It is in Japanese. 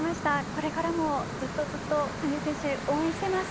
これからも、ずっとずっと羽生選手、応援しています。